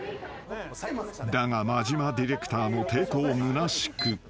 ［だが間島ディレクターの抵抗むなしく］